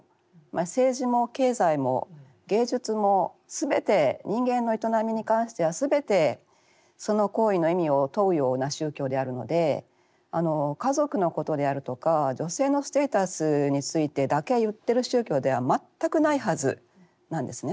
政治も経済も芸術もすべて人間の営みに関してはすべてその行為の意味を問うような宗教であるので家族のことであるとか女性のステータスについてだけ言ってる宗教では全くないはずなんですね。